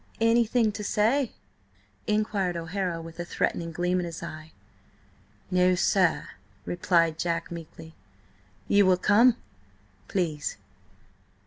"Anything to say?" inquired O'Hara with a threatening gleam in his eye. "No, sir," replied Jack meekly. "Ye will come?" "Please."